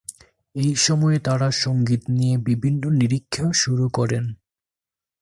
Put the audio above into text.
এই সময়ে তারা সঙ্গীত নিয়ে বিভিন্ন নিরীক্ষা শুরু করেন।